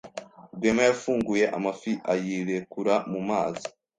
Rwema yafunguye amafi ayirekura mu mazi.